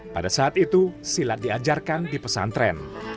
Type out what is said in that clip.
pada saat itu silat diajarkan di pesantren